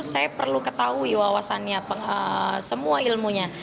saya perlu ketahui wawasannya semua ilmunya